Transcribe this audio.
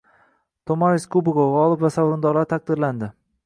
“To‘maris kubogi” g‘olib va sovrindorlari taqdirlanding